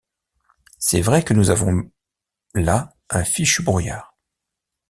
C’est vrai que nous avons là un fichu brouillard.